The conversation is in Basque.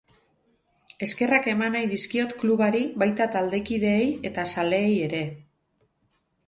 Eskerrak eman nahi dizkiot klubari, baita taldekideei eta zalei ere.